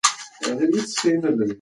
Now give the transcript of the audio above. دا څېړنې ځینې خلک خپه کوي.